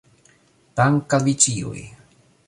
Dank' al vi ĉiuj